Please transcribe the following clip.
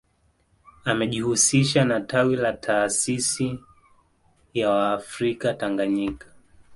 Amejihusisha na tawi la taasisi ya waafrika Tanganyika